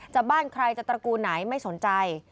บ้านใครจะตระกูลไหนไม่สนใจ